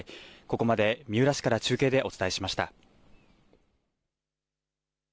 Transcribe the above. ここまで三浦市から中継でお伝えしました。